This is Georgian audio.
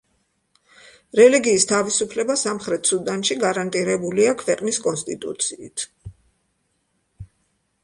რელიგიის თავისუფლება სამხრეთ სუდანში გარანტირებულია ქვეყნის კონსტიტუციით.